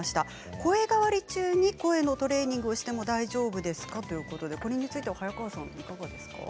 声変わり中に声のトレーニングをしても大丈夫ですかということで早川さん、いかがですか？